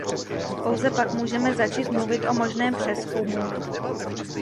Pouze pak můžeme začít mluvit o možném přezkumu.